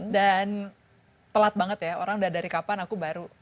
dan telat banget ya orang udah dari kapan aku baru